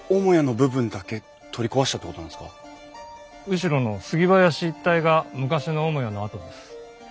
後ろの杉林一帯が昔の主屋の跡です。